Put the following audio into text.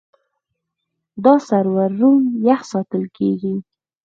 دا سرور روم یخ ساتل کېږي.